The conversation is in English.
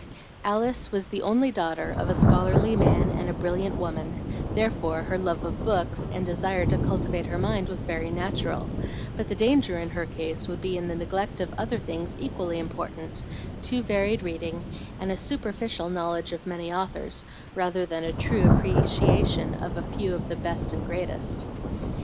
Alice was the only daughter of a scholarly man and a brilliant woman; therefore her love of books and desire to cultivate her mind was very natural, but the danger in her case would be in the neglect of other things equally important, too varied reading, and a superficial knowledge of many authors rather than a true appreciation of a few of the best and greatest.